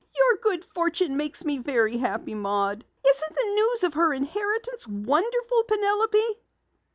"Your good fortune makes me very happy, Maud. Isn't the news of her inheritance wonderful, Penelope?"